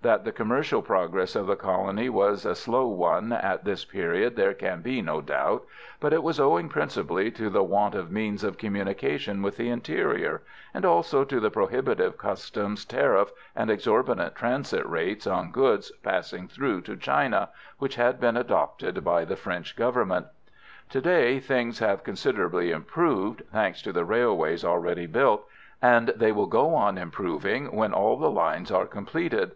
That the commercial progress of the colony was a slow one at this period there can be no doubt, but it was owing principally to the want of means of communication with the interior, and also to the prohibitive customs tariff and exorbitant transit rates on goods passing through to China, which had been adopted by the French Government. To day things have considerably improved, thanks to the railways already built, and they will go on improving when all the lines are completed.